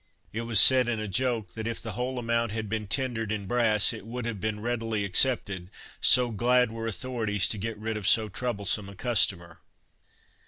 It was said in a joke, that if the whole amount had been tendered in brass it would have been readily accepted, so glad were authorities to get rid of so troublesome a customer.